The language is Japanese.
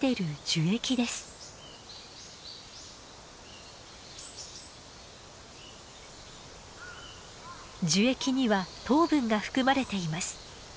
樹液には糖分が含まれています。